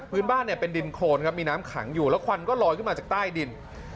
พื้นบ้านเนี่ยเป็นดินโครนครับมีน้ำขังอยู่แล้วควันก็ลอยขึ้นมาจากใต้ดิน